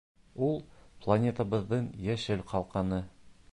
Ул — планетабыҙҙың йәшел ҡалҡаны.